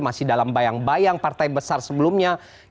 masih dalam bayang bayang partai besar sebelumnya